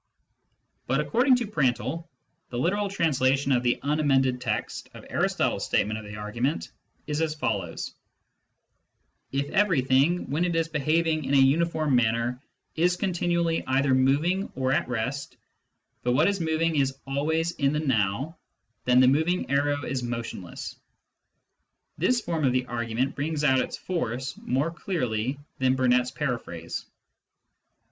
'* But according to Prantl, the literal translation of the unemended text of Aristotle's statement of the argu ment is as follows :" If everything, when it is behaving in a uniform manner, is continually either moving or at rest, but what is moving is always in the noWy then the moving arrow is motionless." This form of the argument brings out its force more clearly than Burnet's paraphrase.